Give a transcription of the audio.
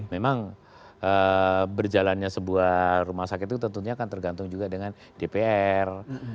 memang berjalannya sebuah rumah sakit itu tentunya akan tergantung juga dengan dpr